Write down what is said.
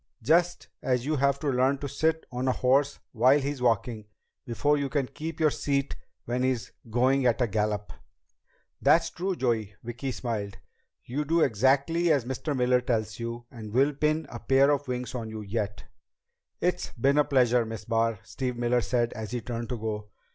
Just as you have to learn to sit on a horse while he's walking, before you can keep your seat when he's going at a gallop." "That's true, Joey." Vicki smiled. "You do exactly as Mr. Miller tells you, and we'll pin a pair of wings on you yet." "It's been a pleasure, Miss Barr," Steve Miller said as he turned to go.